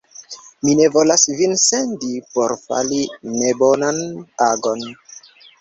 Mi ne volas vin sendi por fari nebonan agon!